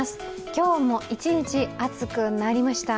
今日も、一日暑くなりました。